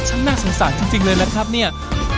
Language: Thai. น่าสงสารจริงเลยล่ะครับเนี่ย